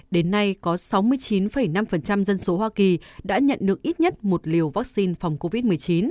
đến nay có sáu mươi chín năm dân số hoa kỳ đã nhận được ít nhất một liều vaccine phòng covid một mươi chín